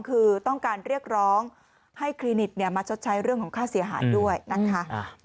คือต้องการเรียกร้องให้คลินิกมาชดใช้เรื่องของค่าเสียหายด้วยนะคะ